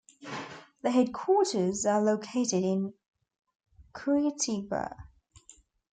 The headquarters are located in Curitiba.